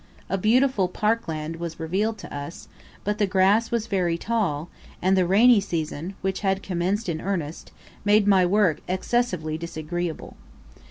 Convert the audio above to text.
A beautiful park land was revealed to us; but the grass was very tall, and the rainy season, which had commenced in earnest, made my work excessively disagreeable.